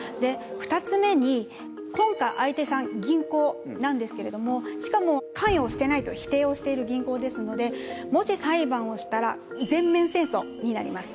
２つ目に今回相手さん銀行なんですけれどもしかも関与してないと否定をしている銀行ですのでもし裁判をしたら全面戦争になります。